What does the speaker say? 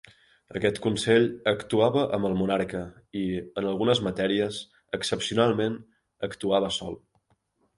Aquest consell actuava amb el monarca i, en algunes matèries, excepcionalment, actuava sol.